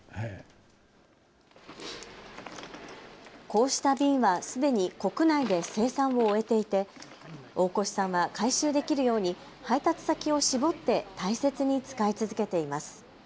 こうした瓶はすでに国内で生産を終えていて大越さんは回収できるように配達先を絞って大切に使い続けています。